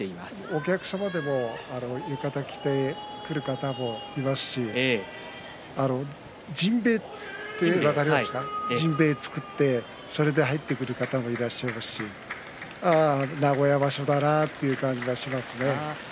お客様でも浴衣を着てくる方もいますし甚平じんべいを作ってそれで入ってくる方もいらっしゃいますしああ、名古屋場所だなという感じがしますね。